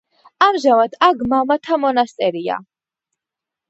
ამჟამად აქ მამათა მონასტერია.